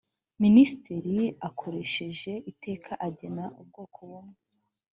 minisitiri akoresheje iteka agena ubwoko bumwe